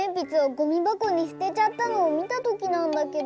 ゴミばこにすてちゃったのをみたときなんだけど。